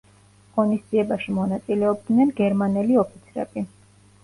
ღონისძიებაში მონაწილეობდნენ გერმანელი ოფიცრები.